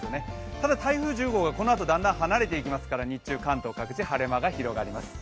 ただ台風１０号がこのあとだんだん離れていきますから日中、関東各地晴れ間が広がります。